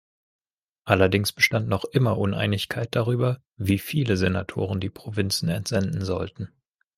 Allerdings bestand noch immer Uneinigkeit darüber, wie viele Senatoren die Provinzen entsenden sollten.